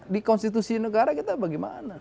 di konstitusi negara kita bagaimana